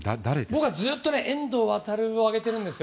僕はずっと遠藤航を挙げてるんです。